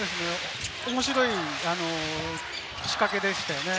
面白い仕掛けでしたよね。